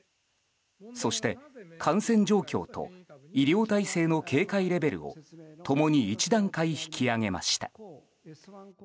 そして、感染状況と医療体制の警戒レベルを共に１段階引き上げました。